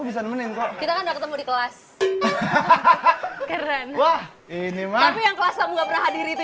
bisa nemenin kok kita ada ketemu di kelas hahaha keren wah ini mah yang kelas nggak pernah hadir itu